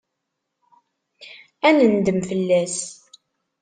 Ad nendem fell-as.